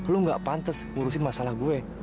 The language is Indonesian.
lu gak pantes ngurusin masalah gue